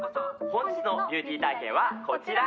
本日のビューティー体験はこちら！